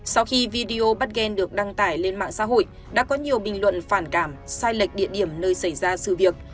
sau khi video bckin được đăng tải lên mạng xã hội đã có nhiều bình luận phản cảm sai lệch địa điểm nơi xảy ra sự việc